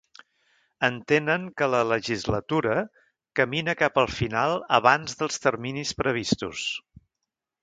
Entenen que ‘la legislatura camina cap al final abans dels terminis previstos’.